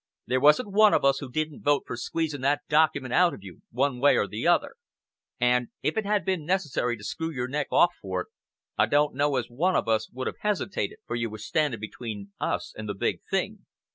"There wasn't one of us who didn't vote for squeezing that document out of you one way or the other, and if it had been necessary to screw your neck off for it, I don't know as one of us would have hesitated, for you were standing between us and the big thing.